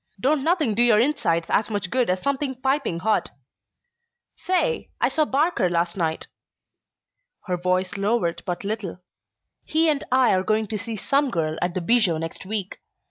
Don't nothing do your insides as much good as something piping hot. Say I saw Barker last night." Her voice lowered but little. "He and I are going to see 'Some Girl' at the Bijou next week.